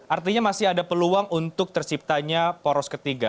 artinya masih ada peluang untuk terciptanya poros ketiga